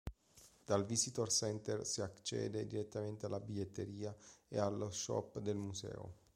Dal visitor center si accede direttamente alla biglietteria e allo shop del museo.